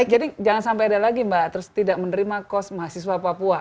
jadi jangan sampai ada lagi mbak terus tidak menerima kos mahasiswa papua